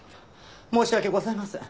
申し訳ございません。